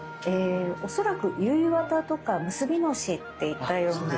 恐らく結綿とか結び熨斗っていったような。